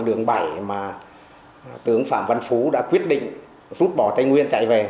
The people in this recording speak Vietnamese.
đường bảy mà tướng phạm văn phú đã quyết định rút bỏ tây nguyên chạy về